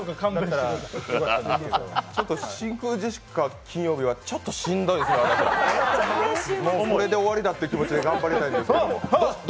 ちょっと真空ジェシカ、金曜日はしんどいこれで終わりだっていう気持ちで頑張りたいんですけど。